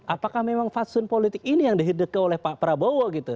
apakah memang fatsun politik ini yang dihidupkan oleh pak prabowo gitu